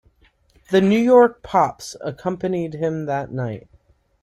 The New York Pops accompanied him that night.